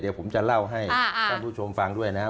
เดี๋ยวผมจะเล่าให้ท่านผู้ชมฟังด้วยนะครับ